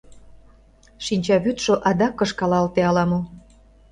Шинчавӱдшӧ адак кышкалалте ала-мо.